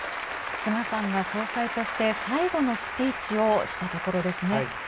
菅さんが総裁として最後のスピーチをしたところですね。